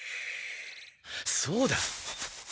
そうだ！